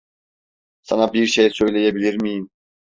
Sana bir şey söyleyebilir miyim?